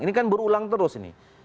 ini kan berulang terus ini